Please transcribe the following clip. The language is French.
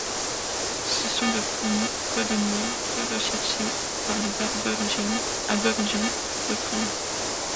Ce sont des fourmis pot-de-miel très recherchées par les aborigènes d'Australie.